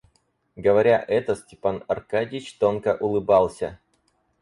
Говоря это, Степан Аркадьич тонко улыбался.